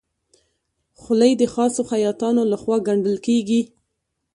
خولۍ د خاصو خیاطانو لهخوا ګنډل کېږي.